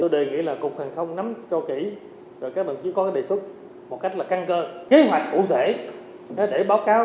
tôi đề nghị là cục hàng không nắm cho kỹ rồi các bạn chỉ có cái đề xuất một cách là căng cơ kế hoạch cụ thể để báo cáo